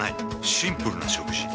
シンプルな食事。